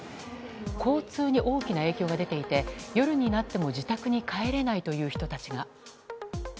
交通に大きな影響が出ていて夜になっても自宅に帰れないという人たちが。